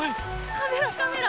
カメラカメラ！